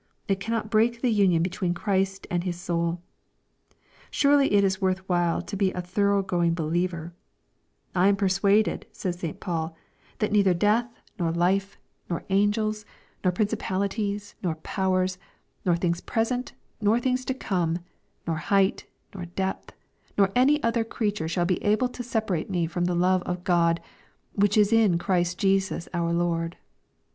It cannot break the union between Christ and his soul. Sorely it is worth while to be a thorough going believer I 1 am persuaded," says St.Paul^ ''that neither death, noi LUKE, CHAP. XXI. 865 life, nor angels, nor principalities, nor powers, nor things present, nor things to come, nor height, nor depth, nor any other creature shall be able to separate me from the love of God, which is in Christ Jesus our Lord."